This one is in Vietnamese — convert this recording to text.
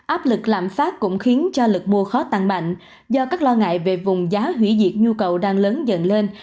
áp lực lạm phát cũng khiến cho lực mua khó tăng mạnh do các lo ngại về vùng giá hủy diệt nhu cầu đang lớn dần lên